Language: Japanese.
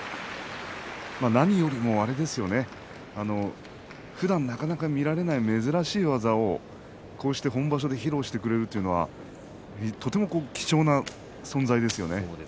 何よりもふだんなかなか見られない珍しい技をこうして本場所で披露してくれるというのはとても貴重な存在ですよね。